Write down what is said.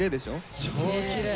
超きれい！